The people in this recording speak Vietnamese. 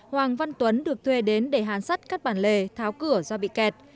hoàng văn tuấn được thuê đến để hán sắt các bản lề tháo cửa do bị kẹt